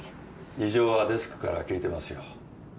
事情はデスクから聞いてますよ。